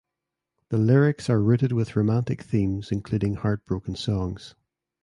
The lyrics are rooted with romantic themes including heartbroken songs.